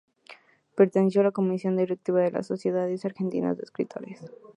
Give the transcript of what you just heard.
Perteneció a la comisión directiva de la Sociedad Argentina de Escritores.